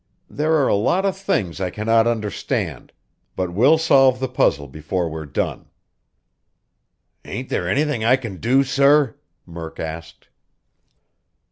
There are a lot of things I cannot understand, but we'll solve the puzzle before we're done." "Ain't there anything I can do, sir?" Murk asked.